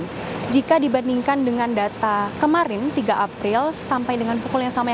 mereka menandakan dengan data kemarin tiga april sampai dengan pukul yang sama ya